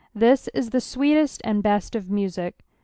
This is the sweetest aud best of music.